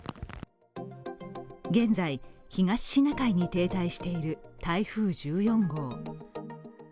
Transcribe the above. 現在、東シナ海に停滞している台風１４号。